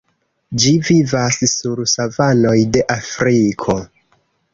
Ĝi vivas sur savanoj de Afriko.